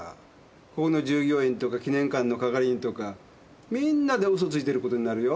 ここの従業員とか記念館の係員とかみんなでウソついてることになるよ。